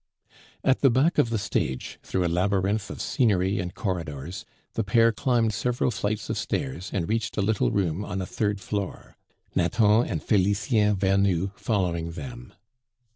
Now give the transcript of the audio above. At the back of the stage, through a labyrinth of scenery and corridors, the pair climbed several flights of stairs and reached a little room on a third floor, Nathan and Felicien Vernou following them.